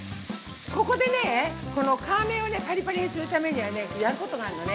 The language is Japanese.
ここでね、皮目をパリパリにするためにはやることがあんのね。